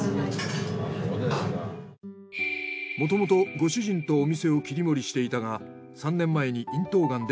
もともとご主人とお店を切り盛りしていたが。